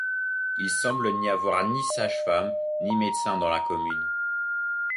Il semble n’y avoir ni sage-femme ni médecin dans la commune.